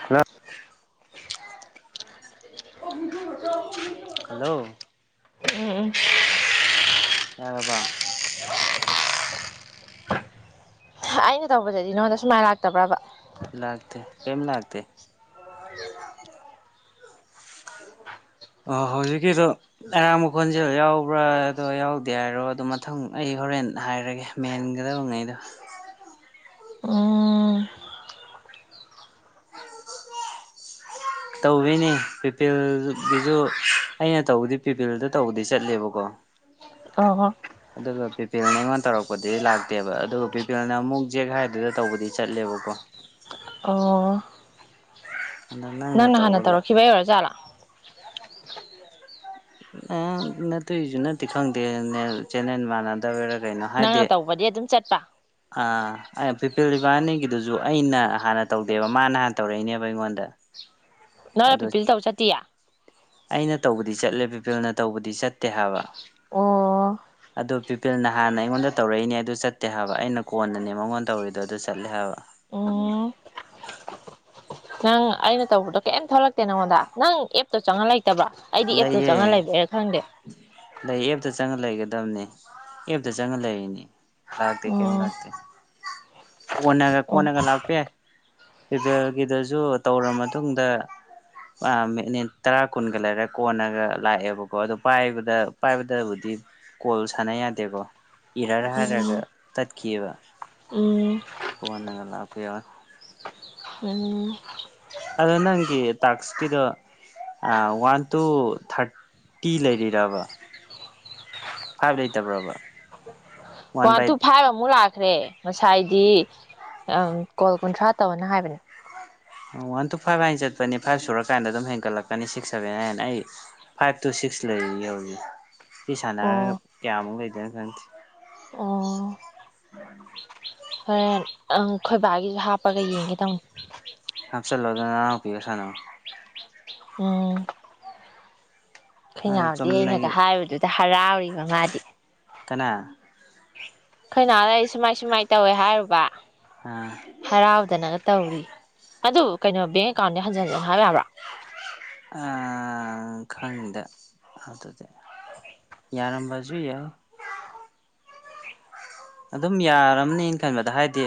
hello ꯑꯣꯖ ꯑꯣ hello ꯎꯝ ꯑꯕ ꯑꯩꯅ ꯇꯧꯕꯗꯗꯤ ꯅꯣꯟꯗ ꯁꯨꯃꯥꯏꯅ ꯂꯥꯛꯇꯕ꯭ꯔꯕ ꯂꯥꯛꯇ ꯀ ꯂꯥꯛꯇ ꯑꯣ ꯍꯧꯖꯤꯛꯀꯤꯗꯣ ꯑꯔꯥꯡꯕꯣꯟꯁꯦꯜ ꯌꯥꯎꯕ꯭ꯔꯥ ꯑꯗꯣ ꯌꯥꯎꯗꯦ ꯍꯥꯏꯔꯣ ꯑꯗꯣ ꯃꯊꯪ ꯑꯩ ꯍꯣꯔꯦꯟ ꯍꯥꯏꯔꯒꯦ ꯃꯦꯟꯒꯗꯕꯉꯩꯗꯣ ꯎꯝ ꯇꯧꯤꯅꯦ ꯄꯤꯄꯜꯒꯤꯁꯨ ꯑꯩꯅ ꯇꯧꯕꯗꯤ ꯄꯤꯄꯜꯗ ꯇꯧꯕꯗꯤ ꯆꯠꯂꯦꯕꯀꯣ ꯑꯣ ꯑꯗꯨꯒ ꯄꯤꯄꯤꯜꯅ ꯑꯩꯉꯣꯟꯗ ꯇꯧꯔꯛꯄꯗꯤ ꯂꯥꯛꯇꯦꯕ ꯑꯗꯨꯒ ꯄꯤꯄꯜꯅ ꯑꯃꯨꯛ ꯖꯦꯛ ꯍꯥꯏꯗꯨꯗ ꯇꯧꯕꯗꯤ ꯆꯠꯂꯦꯕꯀꯣ ꯑꯣ ꯑꯗꯣ ꯅꯪꯅ ꯍꯥꯟꯅ ꯇꯧꯕ ꯇꯧꯔꯛꯈꯤꯕ ꯌꯔꯣꯖꯥꯠꯂꯥ ꯑ ꯅꯠꯇꯣꯏꯁꯨ ꯅꯠꯇꯦ ꯈꯪꯗꯦ ꯆꯦꯟꯅꯦꯟ ꯃꯥꯟꯅꯗꯕꯔ ꯀꯩꯅꯣ ꯅꯪꯅ ꯇꯧꯕꯗꯤ ꯑꯗꯨꯝ ꯆꯠꯄ ꯍꯥꯏꯗꯤ ꯄꯤꯂꯤꯕꯥꯅꯤꯒꯤꯗꯨꯁꯨ ꯑꯩꯅ ꯍꯥꯟꯅ ꯇꯧꯗꯦꯕ ꯃꯥꯅ ꯍꯥꯟꯅ ꯇꯧꯔꯛꯏꯅꯦꯕ ꯑꯩꯉꯣꯟꯗ ꯅꯔ ꯑꯗꯣ ꯄꯤꯄꯤꯜ ꯇꯧ ꯆꯠꯇꯤꯌꯥ ꯑꯩꯅ ꯇꯧꯕꯗꯤ ꯆꯠꯂꯦ ꯄꯕꯤꯄꯜꯅ ꯇꯧꯕꯗꯤ ꯆꯠꯇꯦ ꯍꯥꯏꯕ ꯑꯣ ꯏꯄꯤꯜꯅ ꯍꯥꯟꯅ ꯑꯩꯉꯣꯟꯗ ꯇꯧꯔꯛꯏꯅꯦ ꯑꯗꯨ ꯆꯠꯇꯦ ꯍꯥꯏꯕ ꯑꯩꯅ ꯀꯣꯟꯅꯅꯦ ꯃꯉꯣꯟꯗ ꯇꯧꯔꯤꯗꯣ ꯑꯗꯨ ꯆꯠꯂꯦ ꯍꯥꯏꯕ ꯎꯝ ꯅꯉꯣꯟꯗ ꯅꯪ ꯑꯦꯞꯇꯣ ꯆꯪꯉ ꯂ ꯂꯩ ꯅꯠꯇꯕ ꯑꯩꯗꯤ ꯑꯦꯞꯇꯨ ꯂꯩꯌꯦ ꯆꯪꯍꯟ ꯂꯩꯕ꯭ꯔꯦꯅ ꯈꯪꯗꯦ ꯂꯩꯒꯗꯕꯅꯦ ꯑꯞꯇ ꯆꯪꯉ ꯂꯩꯔꯤꯅꯤ ꯍꯔꯥꯎ ꯇ ꯀ ꯎꯝ ꯂꯇ ꯀꯅꯒ ꯎꯝ ꯀꯅꯒ ꯂꯥꯛꯄꯦ ꯏꯄꯦꯜꯒꯤꯗꯁꯨ ꯇꯧꯔꯕ ꯃꯇꯨꯡꯗ ꯃꯤꯅꯤꯠ ꯇꯔꯥ ꯀꯨꯟꯒ ꯂꯩꯔ ꯀꯣꯟꯅꯒ ꯂꯥꯛꯑꯦꯕꯀꯣ ꯑꯣ ꯄꯥꯏꯕꯗ ꯄꯥꯏꯕꯗꯕꯨꯗꯤ ꯀꯣꯜ ꯁꯥꯟꯅ ꯌꯥꯗꯦꯀꯣ ꯏꯔꯔ ꯍꯥꯏꯔꯒ ꯎꯝ ꯇꯠꯈꯤꯕ ꯎꯝ ꯀꯣꯟꯅꯒ ꯂꯥꯛꯄꯤ ꯌꯥ ꯑꯗꯨ ꯑꯗꯣ ꯅꯪꯒꯤ ꯇꯥꯛꯁꯀꯤꯗꯣ ꯋꯥꯟ ꯇꯨ ꯊꯥꯔꯇꯤ ꯂꯩꯔꯤꯔꯕ ꯐꯥꯏꯚ ꯂꯩꯇꯕ꯭ꯔꯣꯕ ꯋꯥꯟ ꯕꯥꯏ ꯈ꯭ꯔꯦ ꯉꯁꯥꯏꯗꯤ ꯀꯣꯜ ꯀꯨꯟꯊ꯭ꯔꯥ ꯇꯧꯅ ꯍꯥꯏꯕꯅꯦ ꯋꯥꯟ ꯇꯨ ꯐꯥꯏꯚ ꯍꯥꯏꯅ ꯆꯠꯄꯅꯤ ꯐꯥꯏꯚ ꯁꯨꯔꯀꯥꯟꯗ ꯑꯗꯨꯝ ꯍꯦꯟꯒꯠꯂꯛꯀꯅꯤ ꯁꯤꯛꯁ ꯁꯚꯦꯟ ꯏꯟ ꯑꯩ ꯐꯥꯏꯚ ꯇꯨ ꯁꯤꯛꯁ ꯂꯩꯔꯤ ꯌꯧꯔꯤ ꯐ ꯁꯥꯟꯅꯔꯒ ꯑꯣ ꯀꯌꯥꯃꯨꯛ ꯂꯩꯦ ꯁꯤ ꯎꯝ ꯑꯣ ꯍꯣꯔꯦꯟ ꯑꯪ ꯈꯣꯏꯕꯥꯒꯤꯁꯨ ꯍꯥꯞꯄꯒ ꯌꯦꯡꯒꯦ ꯇꯃ ꯍꯥꯞꯆꯜꯂꯣꯗꯅ ꯅꯅꯥꯄꯤꯒ ꯁꯥꯅꯧ ꯎꯝ ꯈꯣꯢꯅꯥꯎꯗꯤ ꯑꯩꯅꯒ ꯆꯨꯝꯅꯒꯤ ꯍꯥꯏꯕꯗꯨꯗ ꯍꯔꯥꯎꯔꯤꯕ ꯃꯥꯗꯤ ꯀꯅꯥ ꯈꯣꯏꯅꯥꯎ ꯑꯩ ꯁꯨꯃꯥꯏ ꯁꯨꯃꯥꯏꯅ ꯇꯧꯋꯦ ꯍꯥꯏꯔꯨꯕ ꯍꯔꯥꯎꯗꯅꯒ ꯑ ꯇꯧꯔꯤ ꯑꯗꯨ ꯀꯩꯅꯣ ꯕꯦꯡ ꯀꯥꯅꯦ ꯍꯟꯖꯤꯟ ꯍꯟꯖꯤꯟ ꯍꯥꯕ ꯌꯥꯕ꯭ꯔꯥ ꯈꯪꯗꯦ ꯑꯗꯨꯗꯤ ꯌꯥꯔꯝꯕꯁꯨ ꯌꯥꯏ ꯑꯗꯨꯝ ꯌꯥꯔꯝꯅꯦꯅ ꯈꯟꯕꯗ ꯍꯥꯏꯗꯤ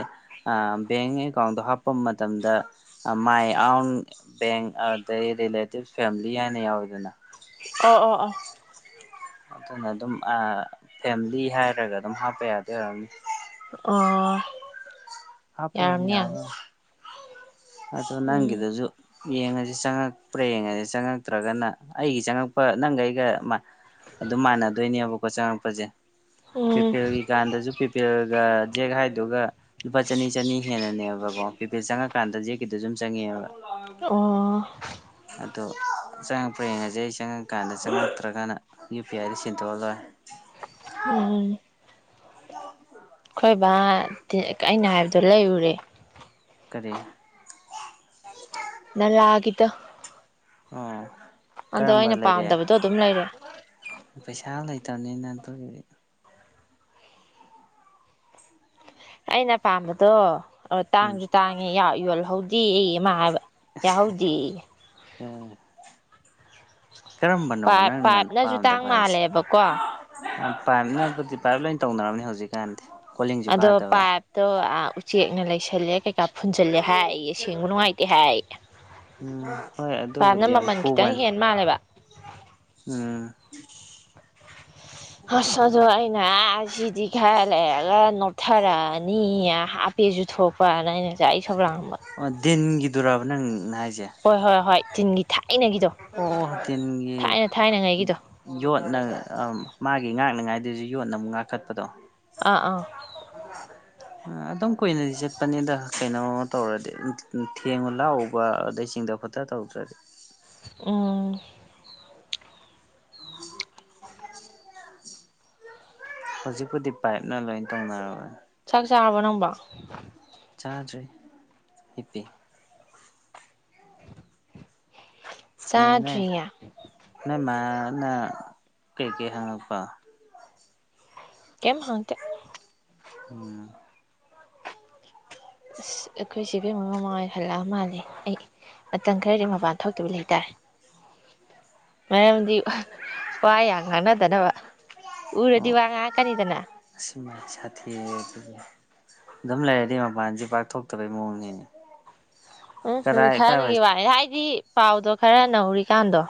ꯕꯦꯡ ꯑꯦꯀꯥꯎꯟꯗꯣ ꯍꯥꯞꯄ ꯃꯇꯝꯗ ꯃꯥꯏ ꯑꯥꯎꯟ ꯕꯦꯡ ꯑꯗꯩ ꯔꯤꯂꯦꯇꯤꯞ ꯐꯦꯂꯤ ꯍꯥꯏꯅ ꯌꯥꯎꯋꯦꯗꯅ ꯑꯣ ꯑꯣ ꯑꯣ ꯑꯗꯨꯅ ꯑꯗꯨꯝ ꯑ ꯐꯦꯝꯂꯤ ꯍꯥꯏꯔꯒ ꯑꯗꯨꯝ ꯍꯥꯞꯄ ꯌꯥꯗꯣꯏ ꯑꯣꯏꯔꯝꯅꯤ ꯑ ꯍꯥꯄꯦ ꯌꯥꯕ ꯑꯗꯣ ꯎꯝ ꯅꯪꯒꯤꯗꯨꯁꯨ ꯌꯦꯡꯉꯁꯤ ꯆꯉꯛ ꯄ꯭ꯔ ꯌꯦꯡꯉꯁꯦ ꯆꯪꯉꯛꯇ꯭ꯔꯒꯅ ꯑꯩꯒꯤ ꯆꯪꯉꯛꯄ ꯅꯪꯒ ꯑꯩꯒ ꯑꯗꯨꯝ ꯃꯥꯟꯅꯗꯣꯏꯅꯦꯕꯀꯣ ꯆꯪꯉꯛꯄꯁꯦ ꯎꯝ ꯄꯤꯄꯜꯒꯤ ꯀꯥꯟꯗꯁꯨ ꯄꯤꯞ ꯄꯤꯜꯒ ꯖꯦꯛ ꯍꯥꯏꯗꯨꯒ ꯂꯨꯄꯥ ꯆꯅꯤ ꯆꯅꯤ ꯍꯦꯟꯅꯅꯦꯕꯀꯣ ꯄꯤꯄꯦ ꯆꯪꯉꯀꯥꯟꯗ ꯖꯦꯛꯀꯤꯗꯨꯣ ꯑꯗꯨꯨꯝ ꯆꯪꯉꯦꯕ ꯑꯣ ꯑꯗꯨ ꯆꯪꯉꯛꯄ ꯌꯦꯡꯉꯁꯦ ꯑꯩ ꯆꯪꯉꯛꯀꯥꯟꯗ ꯆꯪꯉꯛꯇ꯭ꯔꯒꯅ ꯌꯨ ꯄꯤ ꯑꯥꯏꯗ ꯁꯤꯟꯗꯣꯛꯑ ꯂꯣꯏꯔꯦ ꯎꯝ ꯈꯣꯏ ꯕꯥ ꯑꯩꯅ ꯍꯥꯏꯕꯗꯣ ꯂꯩꯔꯨꯔꯦ ꯀꯔꯤ ꯅꯂꯥꯒꯤꯗꯣ ꯑ ꯑꯗꯣ ꯑꯩꯅ ꯄꯥꯝꯗꯕꯗꯣ ꯑꯗꯨꯝ ꯂꯩꯔꯦ ꯇꯅꯤ ꯅ ꯇꯒꯦ ꯑꯩꯅ ꯄꯥꯝꯕꯗꯣ ꯑꯣ ꯎꯝ ꯇꯥꯡꯁꯨ ꯇꯥꯡꯉꯦ ꯌꯥ ꯌꯣꯜꯍꯧꯗꯦꯌꯦ ꯃꯥ ꯍꯥꯏꯕ ꯌꯥꯍꯧꯗꯦ ꯎꯝ ꯄꯥꯏ ꯄꯥꯏꯞꯅꯁꯨ ꯇꯥꯡ ꯃꯥꯜꯂꯦꯕꯀꯣ ꯄꯥꯏꯝꯅꯕꯨꯗꯤ ꯄꯥꯏꯔꯞ ꯂꯣꯏꯅ ꯇꯧꯅꯔꯔꯕꯅꯤ ꯍꯧꯖꯤꯛꯀꯥꯟꯗꯤ ꯀꯣꯂꯤꯡꯁꯨ ꯑꯗꯣ ꯀꯥꯗꯕ ꯄꯥꯏꯞꯇꯣ ꯑ ꯎꯆꯤ ꯆꯦꯛꯅ ꯂꯩꯁꯜꯂꯦ ꯀꯩꯀꯥ ꯐꯨꯟꯖꯜꯂꯦ ꯍꯥꯏꯌꯦꯌꯦ ꯁꯦꯡꯕ ꯅꯨꯡꯉꯥꯏꯇꯦ ꯍꯥꯏ ꯎꯝ ꯍꯣꯏ ꯄꯝꯅ ꯑꯗꯨꯕꯨꯗꯤ ꯌꯥꯝ ꯃꯃꯜ ꯈꯤꯇꯪ ꯈꯨꯕꯅꯤ ꯍꯦ ꯃꯥꯜꯂꯦꯕ ꯎ ꯍꯁꯗꯥꯏꯅ ꯁꯤꯗꯤꯤ ꯈꯥꯏ ꯂꯩꯔꯒ ꯅꯣꯛꯊꯔꯛꯑꯅꯤ ꯍꯥꯞꯄꯦꯁꯨ ꯊꯣꯛꯄꯅ ꯑꯩꯅ ꯉꯁꯥꯏꯦ ꯃꯦ ꯑꯗꯨꯔꯕ ꯅꯪ ꯉ ꯍꯣꯏ ꯍꯣꯏ ꯍꯣꯏ ꯆꯤꯟꯒꯤ ꯑꯣ ꯇꯤꯟꯒꯤ ꯊꯥꯏꯅ ꯊꯥꯏꯅꯉꯩꯒꯤꯗꯣ ꯌꯣꯠꯅ ꯃꯥꯒꯤ ꯉꯥꯛꯅꯉꯥꯏ ꯑꯗꯨꯁꯨ ꯌꯣꯟꯅ ꯑꯃꯨꯛ ꯉꯥꯛꯈꯠꯄꯗꯣ ꯑꯥ ꯑꯥ ꯑꯗꯨꯝ ꯀꯨꯏꯅꯗꯤ ꯆꯠꯄꯅꯤꯗ ꯀꯩꯅꯣꯝꯃ ꯇꯧꯔꯗꯤ ꯊꯦꯡꯉꯨ ꯂꯥꯛꯎꯕ ꯑꯗꯩꯁꯤꯡꯗ ꯈꯨꯠꯇ ꯇꯧꯗ꯭ꯔꯗꯤ ꯎꯝ ꯑ ꯍꯧꯖꯤꯛꯄꯨꯗꯤ ꯄꯥꯏꯞꯅ ꯂꯣꯏ ꯇꯧꯅꯔꯣꯏ ꯆꯥꯕ ꯅꯕ ꯆꯥ꯭ꯔ ꯍꯤꯄꯦ ꯆꯖꯔꯤꯌꯥ ꯅ ꯃꯥꯅ ꯀꯩꯀꯩ ꯍꯪꯉꯛꯄ ꯀꯦꯝ ꯍꯇꯦ ꯎꯝ ꯑꯁ ꯑꯩꯈꯣꯏ ꯁꯤꯕꯦꯝ ꯃꯃꯥꯡ ꯑꯣꯏ ꯍꯜꯂꯛꯑ ꯃꯥꯜꯂꯦ ꯑꯩ ꯃꯇꯝ ꯈꯔꯗꯤ ꯃꯄꯥꯟ ꯊꯣꯛꯇꯕ ꯂꯩꯇꯥꯔꯦ ꯃꯗꯤ ꯋꯥ ꯌꯥꯝ ꯉꯥꯡꯅꯗꯅꯕ ꯎꯔꯗꯤ ꯑꯣ ꯋꯥ ꯉꯥꯛꯀꯅꯤꯗꯅ ꯑꯁꯤ ꯁꯥꯊꯤ ꯑꯗꯨꯝ ꯂꯩꯔꯗꯤ ꯃꯄꯥꯟꯁꯦ ꯄꯥꯛꯊꯣꯛꯇꯕꯩ ꯃꯑꯣꯡꯅꯤꯅꯦ ꯎꯝꯃꯤ ꯀꯗꯥꯏ ꯊꯥꯏꯅꯤ ꯀꯥꯏꯋꯥꯏ ꯋꯥꯚꯏ ꯍꯥꯏꯗꯤ ꯄꯥꯎꯗꯣ ꯈꯔ ꯅꯧꯔꯤ ꯖꯤ ꯀꯥꯟꯗꯣ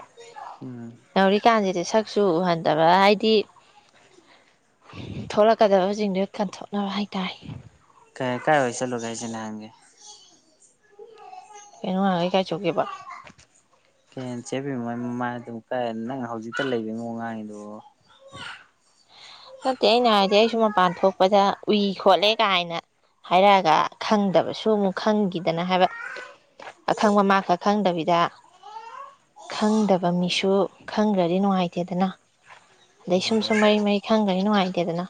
ꯎꯝ ꯌꯥꯎꯔꯤꯀꯥꯟꯁꯤꯗꯤ ꯁꯛ ꯁꯨ ꯎꯍꯟꯗꯕ ꯍꯥꯏꯗꯤ ꯊꯣꯛꯂꯛꯀꯗꯕꯁꯤꯡꯗꯨꯣ ꯀꯟꯊꯣꯛꯅꯕ ꯍꯥꯏꯇꯥꯔꯦ ꯀ ꯀꯥꯏ ꯑꯣꯏꯩꯁꯥ ꯂꯧꯒꯥꯏꯁꯦ ꯅꯍꯥꯡꯒꯦ ꯀꯩꯅꯩ ꯀ ꯆꯒꯦꯕ ꯀ ꯆꯦꯕꯤ ꯃꯃ ꯑꯗꯨꯝ ꯀꯥꯏ ꯅꯪꯅ ꯍꯧꯖꯤꯛꯇ ꯂꯩꯕꯅꯣꯉꯥꯡꯉꯤꯗꯣ ꯅꯠꯇꯦ ꯑꯩꯅ ꯍꯥꯏꯔꯗꯤ ꯑꯩꯁꯨ ꯃꯄꯥꯟ ꯊꯣꯛꯄꯗ ꯎꯏ ꯈꯣꯠꯂꯦ ꯀꯥꯏꯅ ꯍꯥꯏꯔꯛꯑꯒ ꯈꯪꯗꯕꯁꯨ ꯑꯃꯨꯛ ꯈꯪꯈꯤꯗꯅ ꯍꯥꯏꯕ ꯑꯈꯪꯕ ꯃꯥ ꯈꯛ ꯈꯪꯗꯕꯤꯗ ꯈꯪꯗꯕ ꯃꯤꯁꯨ ꯈꯪꯈ꯭ꯔꯗꯤ ꯅꯨꯡꯉꯥꯏꯇꯦꯗꯅ ꯑꯗꯩ ꯁꯨꯝ ꯁꯨꯝ ꯃꯩ ꯃꯩ ꯈꯪꯒꯅꯤ ꯅꯨꯡꯉꯥꯏ ꯇꯦꯗꯅ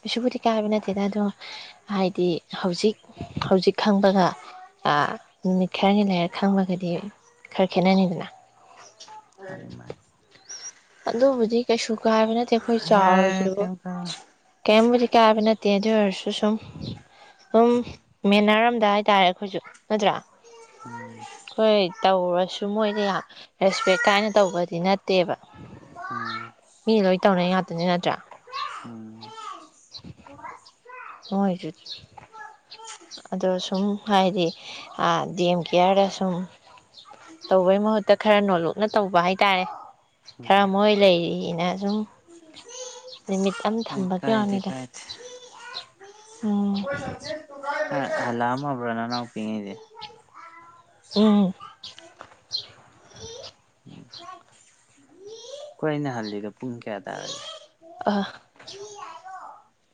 ꯀꯩꯁꯨꯕꯨꯗꯤ ꯀꯥꯏꯕ ꯅꯠꯇꯦꯗ ꯑꯗꯣ ꯍꯥꯏꯗꯤ ꯍꯧꯖꯤꯛ ꯍꯧꯖꯤꯛ ꯈꯪꯕꯒ ꯅꯨꯃꯤꯠ ꯈꯔꯅꯤ ꯂꯩꯔ ꯈꯪꯕꯒꯗꯤ ꯈꯔ ꯈꯦꯠꯅꯅꯤꯗꯅ ꯎꯝ ꯑꯗꯨꯕꯨꯗꯤ ꯀꯩꯁꯨ ꯀꯥꯏꯕ ꯅꯠꯇꯦ ꯑꯩꯈꯣꯏ ꯌꯥꯏ ꯆꯥꯎꯔꯁꯨ ꯀꯩꯝ ꯈꯜꯂꯨꯅꯨ ꯀꯔꯤꯝꯕꯨꯗꯤ ꯀꯥꯏꯕ ꯅꯠꯇꯦ ꯑꯗꯨ ꯑꯣꯏꯔꯁꯨ ꯁꯨꯝ ꯁꯨꯝ ꯃꯦꯅꯔ ꯑꯝꯗ ꯍꯥꯏꯇꯥꯔꯦ ꯑꯩꯈꯣꯏꯁꯨ ꯅꯠꯇ꯭ꯔꯥ ꯎꯝ ꯑꯩꯈꯣꯏ ꯇꯧꯔꯁꯨ ꯃꯣꯏꯗ ꯌꯥꯝ ꯔꯦꯁꯄꯦꯛ ꯀꯥꯏꯅ ꯇꯧꯕꯗꯤ ꯅꯠꯇꯦꯕ ꯃꯤ ꯂꯣꯏ ꯇꯧꯅ ꯉꯥꯛꯇꯅꯤ ꯅꯠꯇ꯭ꯔꯥ ꯎꯝ ꯎꯝ [inaudible] ꯍꯣꯏꯁꯨ ꯑꯗꯣ ꯁꯨꯝ ꯍꯥꯏꯗꯤ ꯗꯤ ꯑꯦꯝ ꯀꯦꯌꯥꯔꯗ ꯁꯨꯝ ꯇꯧꯕꯩ ꯃꯍꯨꯠꯇ ꯈꯔ ꯅꯣꯠꯂꯨꯛꯅ ꯇꯧꯕ ꯍꯥꯏ ꯇꯥꯔꯦ ꯎꯝ ꯈꯔ ꯃꯣꯏ ꯂꯩꯔꯤꯅ ꯁꯨꯝ ꯅꯨꯃꯤ ꯌꯥꯝ ꯀꯥꯏ ꯊꯝꯕꯒꯤ ꯀꯥꯏꯗꯦ ꯋꯥꯅꯤꯗ ꯀꯥꯏꯗꯦ ꯑꯣ ꯍꯜꯂꯛꯑꯝꯃꯕꯔꯥ ꯅꯅꯥꯑꯣꯄꯤꯒꯩꯗꯤ ꯎꯝ ꯑꯩꯈꯣꯏ ꯑ ꯅꯍꯜꯂꯤꯗꯣ ꯄꯨꯡ ꯀꯌꯥ ꯇꯥꯔꯒꯦ ꯑ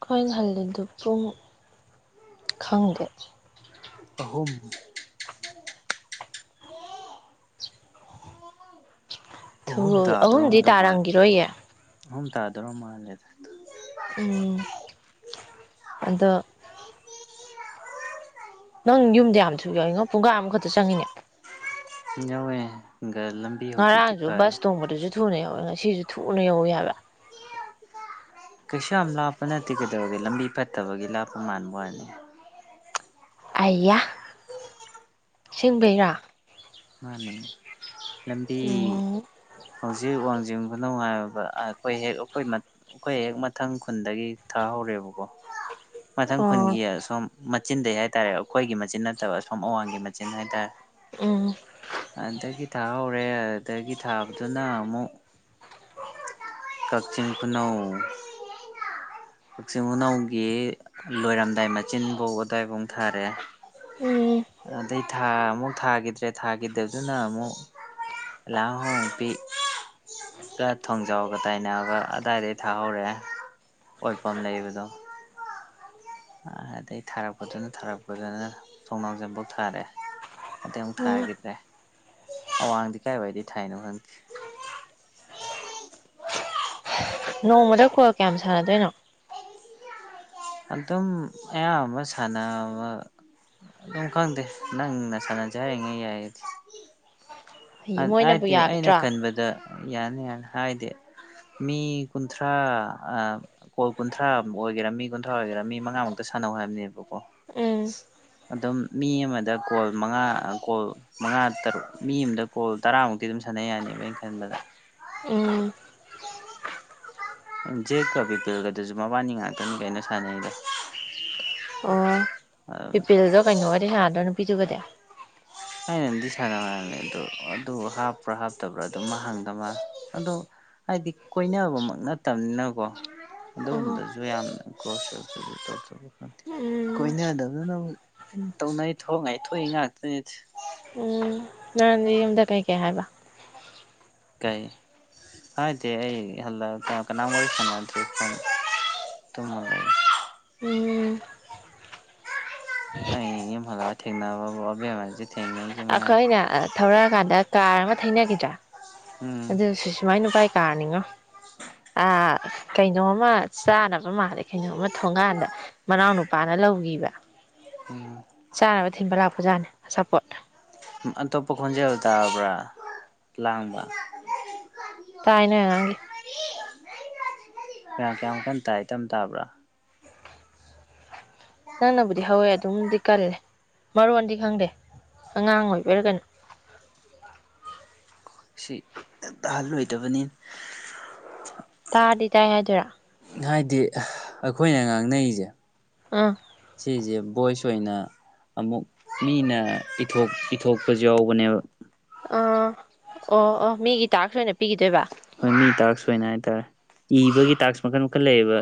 ꯑꯩꯣꯏꯅ ꯍꯜꯂꯤꯗꯨ ꯄꯨꯡ ꯈꯪꯗꯦ ꯑꯍꯨꯝ ꯑꯍꯨꯝ ꯊ ꯑꯍꯨꯝꯗꯤ ꯇꯥꯗꯣꯔꯝꯗꯧ ꯃꯥꯜꯂꯦ ꯇꯥꯔꯝꯈꯤꯔꯣꯏꯌꯦ ꯑꯍꯨꯝ ꯇꯥꯗꯔꯣ ꯃꯥꯜꯂꯦꯗ ꯎꯝ ꯑꯗ ꯅꯪ ꯌꯨꯝꯗ ꯌꯥꯝ ꯊꯨ ꯌꯥꯎꯏꯣ ꯄꯨꯡꯒꯥ ꯑꯃꯈꯛꯇ ꯆꯪꯉꯤꯅꯦ ꯌꯥꯋꯦ ꯉꯔꯥꯡꯁꯨ ꯕꯁ ꯇꯣꯡꯕꯗꯨꯁꯨ ꯊꯨꯅ ꯌꯥꯧꯋ ꯁꯤꯁꯨ ꯊꯨꯅ ꯌꯧ ꯌꯥꯕ ꯀꯩꯁꯨ ꯌꯥꯝ ꯂꯥꯞꯄ ꯅꯠꯇꯦ ꯀꯩꯗꯧꯒꯦ ꯂꯝꯕꯤ ꯐꯠꯇꯕꯒꯤ ꯂꯥꯞꯄ ꯃꯥꯟꯕ ꯋꯥꯅꯤ ꯑꯌꯥ ꯁꯁꯤꯡꯕꯩꯔꯥ ꯃꯥꯅꯤ ꯂꯝꯕꯤ ꯎꯝ ꯍꯧꯖꯤꯛ ꯋꯥꯡꯖꯤꯡ ꯈꯨꯅꯧ ꯍꯥꯏꯔꯕ ꯑꯩꯈꯣꯏ ꯍꯦꯛ ꯑꯩꯈꯣꯏ ꯑꯩꯈꯣꯏ ꯍꯦꯛ ꯃꯊꯪ ꯈꯨꯟꯗꯒꯤ ꯊꯥꯍꯧꯔꯦꯕꯀꯣ ꯃꯊꯪ ꯑꯣ ꯈꯨꯟꯒꯤ ꯁꯣꯝ ꯃꯆꯤꯟꯗꯩ ꯍꯥꯏꯇꯥꯔꯦ ꯑꯩꯈꯣꯏꯒꯤ ꯃꯆꯤꯟ ꯅꯠꯇꯕ ꯑꯁꯣꯝ ꯑꯋꯥꯡꯒꯤ ꯃꯆꯤꯟ ꯍꯥꯏꯇꯥꯔꯦ ꯎꯝ ꯑꯗꯨꯗꯒꯤ ꯊꯥꯍꯧꯔꯦ ꯑꯗꯨꯗꯒꯤ ꯊꯥꯕꯗꯨꯅ ꯑꯃꯨꯛ ꯀꯛꯆꯤꯡ ꯈꯨꯅꯧ ꯀꯛꯆꯤꯡ ꯈꯨꯅꯧꯒꯤ ꯂꯣꯏꯔꯝꯗꯥꯏ ꯃꯆꯤꯟꯐꯧ ꯑꯗꯨꯋꯥꯏꯐꯧ ꯊꯥꯔꯦ ꯎꯝ ꯑꯗꯩ ꯊꯥ ꯑꯃꯨꯛ ꯊꯥꯈꯤꯗ꯭ꯔꯦ ꯊꯥꯈꯤꯗꯕꯗꯨꯅ ꯑꯃꯨꯛ ꯂꯥꯡꯍꯄꯤꯒ ꯊꯣꯡꯖꯥꯎꯒ ꯇꯥꯏꯅꯔꯒ ꯑꯗꯥꯏꯗꯩ ꯊꯥꯍꯧꯔꯛꯑꯦ ꯑꯣꯏꯜ ꯄꯝ ꯂꯩꯕꯗꯣ ꯑꯗꯩ ꯊꯥꯔꯛꯄꯗꯨꯅ ꯊꯥꯔꯛꯄꯗꯨꯅ ꯊꯣꯡꯅꯥꯎꯖꯝꯄꯣꯛ ꯊꯥꯔꯛꯑꯦ ꯑꯗꯩꯨ ꯎꯝ ꯊꯥꯈꯤꯗ꯭ꯔꯦ ꯑꯋꯥꯡꯗꯤ ꯀꯥꯏꯋꯥꯏꯗ ꯊꯥꯏꯅꯣ ꯈꯪꯗꯦ ꯅꯣꯡꯃꯗ ꯈꯨꯣꯏꯜ ꯀꯌꯥꯝ ꯁꯥꯟꯅꯗꯣꯏꯅꯣ ꯑꯗꯨꯝ ꯑꯌꯥꯝꯕ ꯁꯥꯟꯅꯕ ꯑꯗꯨꯝ ꯈꯪꯗꯦ ꯅꯪꯅ ꯁꯥꯟꯅꯖ ꯍꯥꯏꯔꯤꯉꯩ ꯌꯥꯏꯗꯤ ꯃꯣꯏꯅꯕꯨ ꯍꯥꯏꯗꯤ ꯑꯩꯅ ꯌꯥꯒꯗ꯭ꯔꯥ ꯈꯟꯕꯗ ꯌꯥꯅꯤ ꯌꯥꯅꯤ ꯍꯥꯏꯗꯤ ꯃꯤ ꯀꯨꯟꯊ꯭ꯔꯥ ꯀꯣꯜ ꯀꯨꯟꯊ꯭ꯔꯥ ꯑꯣꯏꯒꯦꯔꯥ ꯃꯤ ꯀꯨꯟꯊ꯭ꯔꯥ ꯑꯣꯏꯒꯦꯔꯥ ꯃꯤ ꯃꯉꯥꯃꯨꯛꯇ ꯁꯥꯟꯅꯧ ꯍꯥꯏꯕꯅꯦꯕꯀꯣ ꯎꯝ ꯑꯗꯨꯝ ꯃꯤ ꯑꯃꯗ ꯀꯣꯜ ꯃꯉꯥ ꯀꯣꯜ ꯃꯉꯥ ꯇꯔꯨꯛ ꯃꯤ ꯑꯃꯗ ꯀꯣꯜ ꯇꯔꯥꯃꯨꯛꯇꯤ ꯑꯗꯨꯝ ꯁꯥꯟꯅꯩ ꯌꯥꯅꯦꯕ ꯑꯩꯅ ꯈꯟꯕꯗ ꯎꯝ ꯖꯦꯛꯀꯕꯤꯄꯒ ꯑꯗꯨꯁꯨ ꯃꯕꯥꯅꯤ ꯉꯥꯛꯇꯅꯤ ꯀꯩꯅ ꯁꯥꯟꯅꯩꯗ ꯑꯣ ꯄꯤꯄꯤꯜꯗꯣ ꯀꯩꯅꯣ ꯑꯣꯏꯔ ꯍꯥꯏꯔꯗꯣꯏꯅ ꯄꯤꯖꯒꯗ ꯊꯥꯏꯅꯗꯤ ꯁꯥꯟꯅꯕ ꯉꯂ ꯑꯗꯣ ꯑꯗꯨ ꯍꯥꯞꯄ꯭ꯔꯥ ꯍꯥꯞꯇꯕ꯭ꯔꯥ ꯑꯗꯨꯝ ꯍꯪꯗꯕ ꯃꯥꯜꯂꯦ ꯑꯗꯣ ꯍꯥꯏꯗꯤ ꯀꯣꯏꯅꯕꯃꯛ ꯅꯠꯇꯕꯅꯤꯅꯀꯣ ꯑꯣ ꯑꯗꯨꯒꯨꯝꯕꯗꯁꯨ ꯌꯥꯝꯅ ꯀ꯭ꯂꯣꯁ ꯈ ꯎꯝ ꯀꯣꯏꯅꯗꯕꯗꯅ ꯇꯧꯅꯩ ꯊꯣꯛꯉꯥꯏ ꯊꯣꯛꯏ ꯉꯥꯛꯇꯅꯤ ꯍ ꯅꯗꯤ ꯌꯗ ꯀꯩ ꯀꯦ ꯍꯥꯏꯕ ꯀꯩ ꯍꯥꯏꯗꯤ ꯑꯩ ꯍꯜ ꯀꯅꯥ ꯎꯝ ꯑ ꯃ ꯊꯦꯡꯅꯥꯕꯨ ꯑꯦ ꯑꯩꯈꯣꯏ ꯑꯅ ꯊꯧꯔꯛꯑꯀꯥꯟꯗ ꯀꯥꯔ ꯑꯃ ꯊꯩꯅꯅꯈꯤꯗ꯭ꯔꯥ ꯎꯝ ꯑꯗꯨꯁꯨ ꯁꯨꯃꯥꯏ ꯅꯨꯄꯥꯥꯏ ꯀꯥꯔꯅꯤꯉꯣ ꯑ ꯀꯩꯅꯣꯃ ꯆꯥꯅꯕ ꯃꯥꯜꯂꯦ ꯀꯩꯅꯣꯝꯃ ꯊꯣꯡꯒꯥꯟꯗ ꯃꯅꯥꯎ ꯅꯨꯄꯥꯅ ꯂꯧꯈꯤꯕ ꯎꯝ ꯆꯥꯅꯕ ꯊꯤꯟꯕ ꯂꯥꯛꯄꯖꯥꯅꯤ ꯑꯆꯥꯄꯣꯠꯅꯦ ꯑꯇꯣꯞꯄ ꯈꯣꯟꯖꯦꯜ ꯇꯥꯔꯕ꯭ꯔꯥ ꯂꯥꯡꯕ ꯇꯥꯏ ꯅꯣꯏ ꯑꯉꯥꯡꯒꯤ ꯀꯌꯥ ꯀꯌꯥꯃꯨꯛ ꯀꯟ ꯇ ꯏꯇ ꯇꯥꯕ꯭ꯔꯥ ꯅꯪꯅꯕꯨꯗꯤ ꯍꯧꯋꯦ ꯑꯗꯨꯝꯗꯤ ꯀꯜꯂꯦ ꯃꯔꯣꯟꯗꯤ ꯈꯪꯗꯦ ꯑꯉꯥꯡ ꯑꯣꯏꯕꯤꯔꯒꯅꯣ ꯁꯤ ꯇꯍꯜꯂꯣꯏꯗꯕꯅꯤ ꯇꯥꯔꯗꯤ ꯇꯥꯏ ꯍꯥꯏꯗꯣꯏꯔꯥ ꯍꯥꯏꯗꯤ ꯑꯩꯈꯣꯏꯅ ꯉꯥꯡꯅꯔꯤꯁꯦ ꯑꯥ ꯁꯤ ꯚꯣꯏꯁ ꯑꯣꯏꯅ ꯑꯃꯨꯛ ꯃꯤꯅꯊ ꯏꯊꯣꯛꯄꯁꯨ ꯌꯥꯎꯕꯅꯦꯕ ꯑꯥ ꯑꯣ ꯑꯣ ꯃꯤꯒꯤ ꯇꯥꯔꯁ ꯑꯣꯏꯅ ꯄꯤꯈꯤꯗꯣꯏꯕ ꯍꯣꯏ ꯃꯤ ꯇꯥꯛꯁ ꯑꯣꯏꯅ ꯍꯥꯏꯇꯥꯔꯦ ꯏꯕꯒꯤ ꯇꯥꯛꯁ ꯃꯈꯜ ꯃꯈꯟ ꯂꯩꯌꯦꯕ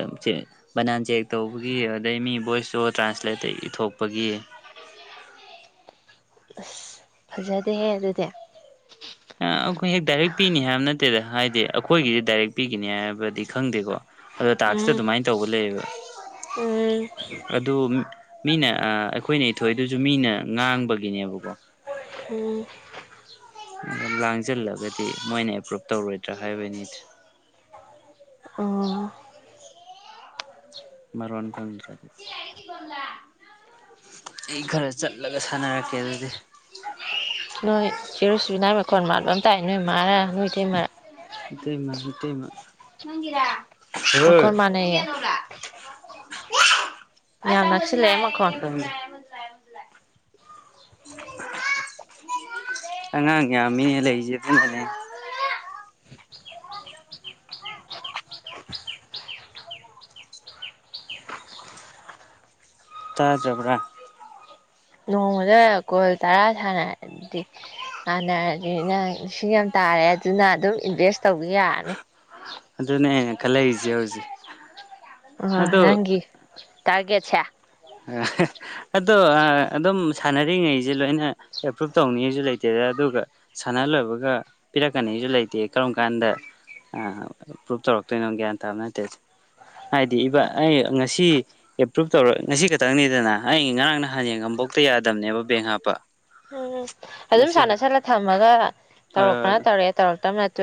ꯕꯅꯥꯟ ꯆꯦꯛ ꯇꯧꯕꯒꯤ ꯑꯗꯩ ꯃꯤ ꯚꯣꯏꯁꯇꯣ ꯇ꯭ꯔꯥꯟꯁꯂꯦꯠꯇ ꯏꯊꯣꯛꯄꯒꯤ ꯑꯁ ꯐꯖꯗꯦꯍꯦ ꯑꯗꯨꯗꯤ ꯑ ꯑꯩꯈꯣꯏ ꯍꯦꯛ ꯗꯥꯏꯔꯦꯛ ꯄꯤꯅꯤ ꯍꯥꯏꯕ ꯅꯠꯇꯦꯗ ꯍꯥꯏꯗꯤ ꯑꯩꯈꯣꯏꯒꯤꯗꯤ ꯗꯥꯏꯔꯦꯛ ꯄꯤꯒꯅꯤ ꯍꯥꯏꯕꯗꯤ ꯈꯪꯗꯦꯀꯣ ꯑꯗꯣ ꯇꯥꯛꯁꯤꯗ ꯎꯝ ꯑꯗꯨꯃꯥꯏꯅ ꯇꯧꯕ ꯂꯩꯌꯦꯕ ꯎꯝ ꯑꯗꯨ ꯃꯤꯅꯦ ꯑꯩꯈꯣꯏꯅ ꯏꯊꯣꯛꯏ ꯑꯗꯨꯁꯨ ꯃꯤꯅ ꯉꯥꯡꯕꯒꯤꯅꯦꯕꯀꯣ ꯎꯝ ꯑꯗꯨ ꯂꯥꯡꯁꯤꯜꯂꯒꯗꯤ ꯃꯣꯏꯅ ꯑꯦꯄ꯭ꯔꯨꯞ ꯇꯧꯔꯣꯏꯗ꯭ꯔꯥ ꯍꯥꯏꯕꯅꯤ ꯑꯣ ꯃꯔꯣꯟ ꯈꯪꯗ꯭ꯔ ꯑꯩ ꯈꯔ ꯆꯠꯂꯒ ꯁꯥꯟꯅꯔꯛꯀꯦ ꯑꯗꯨꯗꯤ ꯅꯣꯏ ꯆꯦꯔꯨꯁꯨ ꯅꯥꯏꯕ ꯃꯈꯣꯟ ꯃꯥꯟꯕꯕ ꯑꯃ ꯇꯥꯏ ꯅꯣꯏ ꯃꯥꯔ ꯅꯣꯏꯗꯤꯩ ꯃꯔ ꯏꯇꯦꯃ ꯏꯇꯦꯃ ꯍ ꯃꯈꯣꯟ ꯃꯥꯟꯅꯩꯌꯦ ꯎ ꯌꯥꯝ ꯅꯛꯁꯤꯜꯂꯛꯑꯦ ꯃꯈꯣꯟ ꯑꯃꯁꯨ ꯑꯉꯥꯡ ꯉꯃꯤ ꯂꯩ ꯂꯩꯖꯅꯦ ꯇꯥꯖꯕꯥ ꯅꯣꯡꯃꯗ ꯀꯣꯜ ꯇꯔꯥ ꯁꯥꯟꯅꯔꯗꯤ ꯁꯥꯟꯅꯔꯅꯤꯅ ꯂꯤꯁꯤꯡ ꯌꯥꯝ ꯇꯥꯔꯦ ꯑꯗꯨꯅ ꯑꯗꯨꯝ ꯏꯟꯚꯦꯁ ꯇꯧꯕ ꯌꯥꯔꯅꯤ ꯑꯗꯨꯅꯦꯅꯦ ꯈꯜꯂꯛꯏꯁꯦ ꯍꯧꯖꯤꯛ ꯑ ꯑꯗꯣ ꯅꯪꯒꯤ ꯇꯔꯒꯦꯠ ꯑ ꯑꯗꯣ ꯑꯗꯨꯝ ꯁꯥꯟꯅꯔꯤꯉꯩꯁꯦ ꯂꯣꯏꯅ ꯑꯦꯄ꯭ꯔꯨꯞ ꯇꯧꯅꯤꯡꯉꯤꯁꯨ ꯂꯩꯇꯦꯗ ꯑꯗꯨꯒ ꯁꯥꯟꯅ ꯂꯣꯏꯕꯒ ꯄꯤꯔꯛꯀꯅꯤꯁꯨ ꯂꯩꯇꯦ ꯀꯔꯝ ꯀꯥꯟꯗ ꯑꯦꯄ꯭ꯔꯨꯞ ꯇꯧꯔꯛꯇꯣꯏꯅꯣ ꯒ꯭ꯌꯥꯟ ꯇꯥꯕ ꯅꯠꯇꯦ ꯍꯥꯏꯗꯤ ꯏꯕꯥ ꯑꯩ ꯉꯁꯤ ꯑꯦꯄ꯭ꯔꯨꯞ ꯇꯧꯔ ꯉꯁꯤ ꯈꯛꯇꯪꯅꯤꯗꯅ ꯑꯩ ꯉꯔꯥꯡ ꯅꯍꯥꯟ ꯉꯝꯕꯣꯛꯇ ꯌꯥꯗꯕꯅꯦꯕ ꯕꯦꯡ ꯍꯥꯞꯄ ꯎꯝ ꯑꯗꯨꯝ ꯉꯁꯤ ꯁꯥꯟꯅ ꯍꯣꯏ ꯁꯠꯂ ꯊꯝꯃꯒ ꯇꯧꯔꯛꯄꯅ ꯇꯧꯔꯛꯑꯦ ꯇꯧꯔꯛꯇꯕ ꯇ ꯑꯗꯨ